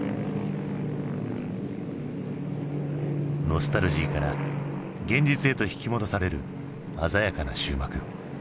ノスタルジーから現実へと引き戻される鮮やかな終幕。